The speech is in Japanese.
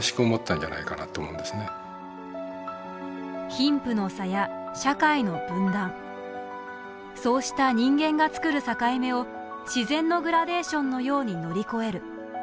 貧富の差や社会の分断そうした人間が作る境目を自然のグラデーションのように乗り越える。